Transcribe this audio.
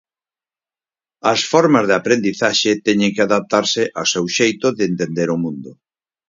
As formas de aprendizaxe teñen que adaptarse ao seu xeito de entender o mundo.